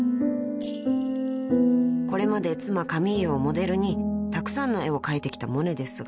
［これまで妻カミーユをモデルにたくさんの絵を描いてきたモネですが］